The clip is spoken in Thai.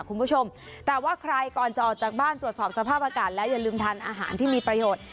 คุณผู้ชมแต่ว่าใครก่อนจะออกจากบ้านตรวจสอบสภาพอากาศแล้วอย่าลืมทานอาหารที่มีประโยชน์